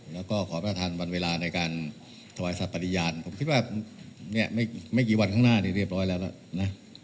แล้วก็ขอประทานวันเวลาในการถวายสัตว์ปฏิญาณผมคิดว่าเนี่ยไม่กี่วันข้างหน้านี้เรียบร้อยแล้วแล้วนะ